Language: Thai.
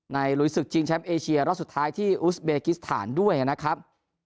ลุยศึกชิงแชมป์เอเชียรอบสุดท้ายที่อุสเบกิสถานด้วยนะครับ